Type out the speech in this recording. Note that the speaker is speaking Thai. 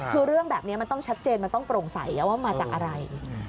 คือเรื่องแบบนี้มันต้องชัดเจนมันต้องโปร่งใสว่ามาจากอะไร